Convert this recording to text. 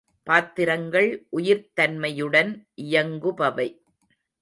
பாத்திரங்கள் உயிர்த் தன்மையுடன் இயங்குபவை.